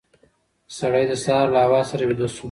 سړی د سهار له هوا سره ویده شو.